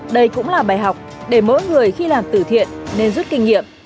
đây cũng là bài học để mỗi người khi làm tử thiện nên rút kinh nghiệm